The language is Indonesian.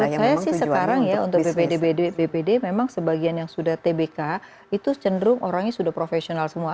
menurut saya sih sekarang ya untuk bpd memang sebagian yang sudah tbk itu cenderung orangnya sudah profesional semua